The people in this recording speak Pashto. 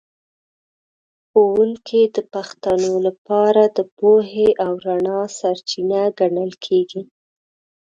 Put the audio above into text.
ښوونکی د پښتنو لپاره د پوهې او رڼا سرچینه ګڼل کېږي.